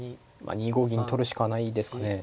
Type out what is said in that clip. ２五銀取るしかないですかね。